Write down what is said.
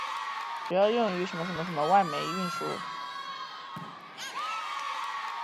主要服务于和什托洛盖煤田原煤外运。